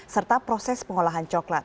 serta proses pengolahan coklat